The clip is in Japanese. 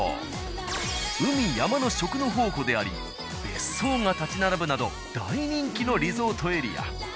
海・山の食の宝庫であり別荘が立ち並ぶなど大人気のリゾートエリア。